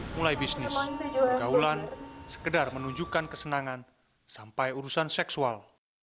mulai bisnis bergaulan sekedar menunjukkan kesenangan sampai urusan seksual